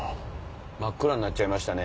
真っ暗になっちゃいましたね。